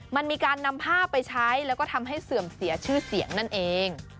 มันมีการนำภาพไปใช้แล้วก็ทำให้เสื่อมเสียชื่อเสียงนั่นเอง